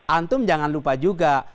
antum jangan lupa juga